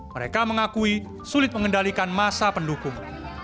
mereka mengakui sulit mengendalikan masa pendukung